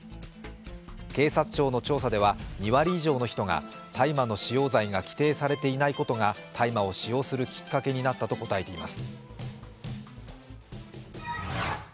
警察庁の調査では２割以上の人が大麻の使用罪が規定されていないことが大麻を使用するきっかけになったと答えています。